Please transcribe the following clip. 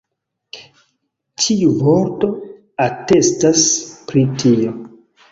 Ĉiu vorto atestas pri tio.